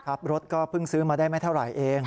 รถก็เพิ่งซื้อมาได้ไม่เท่าไหร่เอง